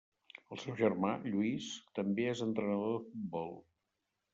El seu germà, Lluís, també és entrenador de futbol.